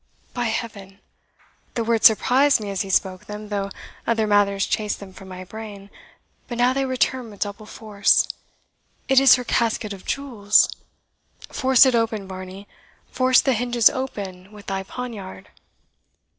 By Heaven! the words surprised me as he spoke them, though other matters chased them from my brain; but now they return with double force. It is her casket of jewels! Force it open, Varney force the hinges open with thy poniard!"